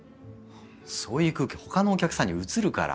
そういう空気ほかのお客さんにうつるから。